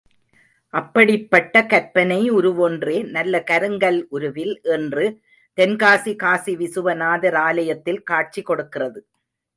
அப்படிப்பட்ட கற்பனை உருவொன்றே நல்ல கருங்கல் உருவில் இன்று தென்காசி காசிவிசுவாநாதர் ஆலயத்தில் காட்சி கொடுக்கிறது.